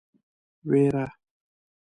وېره.